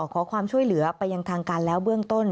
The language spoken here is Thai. ขอความช่วยเหลือไปยังทางการแล้วเบื้องต้น